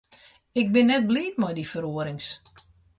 Ik bin net bliid mei dy feroarings.